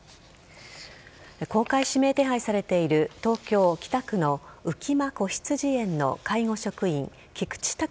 公開指名手配されている東京・北区の浮間こひつじ園の介護職員・菊池隆